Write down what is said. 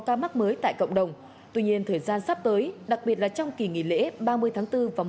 ca mắc mới tại cộng đồng tuy nhiên thời gian sắp tới đặc biệt là trong kỳ nghỉ lễ ba mươi tháng bốn và một